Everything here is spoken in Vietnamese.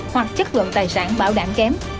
hoặc chất lượng tài sản bảo đảm kém